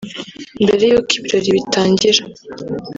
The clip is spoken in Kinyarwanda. Mbere y’uko ibirori bitangira